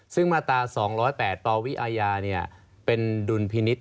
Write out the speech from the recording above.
ซึ่งมาตรา๒๐๘ปวิอาญาเป็นดุลพินิษฐ